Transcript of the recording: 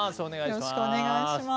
よろしくお願いします。